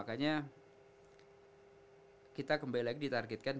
areas sellers broadcast up masaan untuk kita arnold itu cukup hal yang kuos it yang kita tahu kita saja